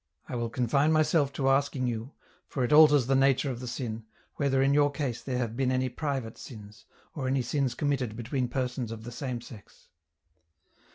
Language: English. ± will confine myself to asking you, for it alters the nature of the sin, whether in your case there have been any private sins, or any sins committed between persons of the same sex